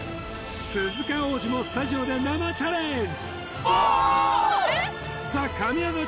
鈴鹿央士もスタジオで生チャレンジ